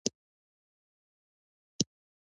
آیا د دوی اقتصاد ډیر ظرفیت نلري؟